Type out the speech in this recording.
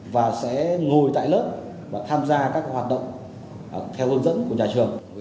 và sẽ ngồi tại lớp và tham gia các hoạt động theo hướng dẫn của nhà trường